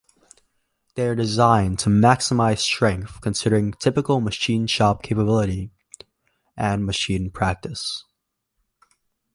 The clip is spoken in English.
They are designed to maximize strength considering typical machine shop capability and machine practice.